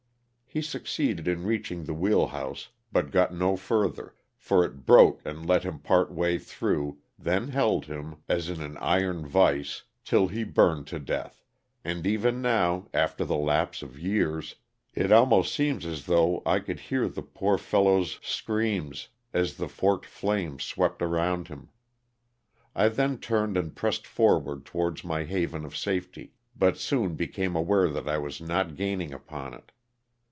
He succeeded in reaching the wheel house but got no further, for it broke and let him part way through, then held him, as in an iron vice, till he burned to death, and even now, after the lapse of years, it almost seems as though I could hear the poor fel 52 LOSS OF THE SULTANA. low's screams, as the forked flames swept around him. I then turned and pressed forward towards my haven of safety, but soon became aware that I was not gain ing upon it.